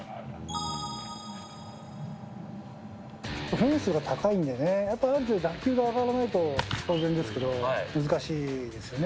フェンスが高いんでね、やっぱ打球が上がらないと、当然ですけど難しいですよね。